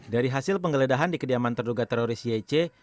dari hasil penggeledahan di kediaman terduga teroris yece